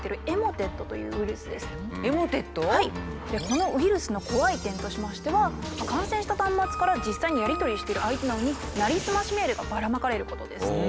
このウイルスの怖い点としましては感染した端末から実際にやり取りしてる相手などになりすましメールがばらまかれることです。